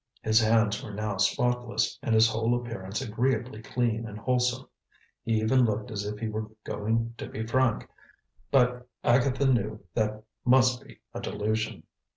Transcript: His hands were now spotless, and his whole appearance agreeably clean and wholesome. He even looked as if he were going to be frank, but Agatha knew that must be a delusion.